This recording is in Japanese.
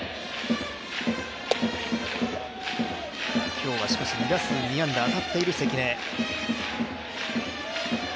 今日はしかし、２打数２安打、当たっている関根。